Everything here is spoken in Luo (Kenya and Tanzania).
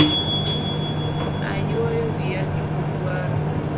Ayuoyo wiya gi oguaru